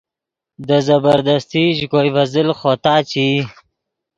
دے زبردستی ژے کوئے ڤے زل خوتا چے ای